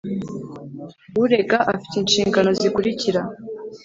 Urega afite inshingano zikurikira